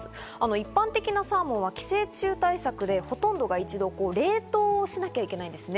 一般的なサーモンは寄生虫対策でほとんどが一度冷凍をしなきゃいけないんですね。